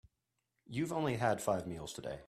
You've only had five meals today.